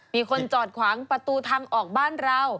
มีคนจอดขวางประตูทางออกบ้านเรา